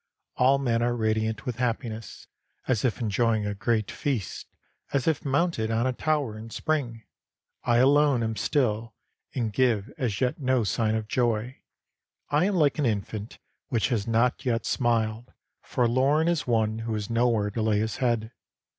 All men are radiant with happiness, as if enjoying a great feast, as if mounted on a tower in spring. I alone am still, and give as yet no sign of joy. I am like an infant which has not yet smiled, forlorn as one who has nowhere to lay his head.